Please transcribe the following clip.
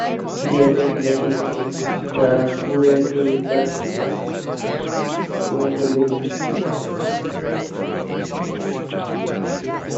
He again played in the Puerto Rican Winter League this season.